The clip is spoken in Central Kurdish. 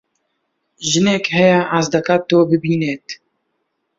ژنێک هەیە حەز دەکات تۆ ببینێت.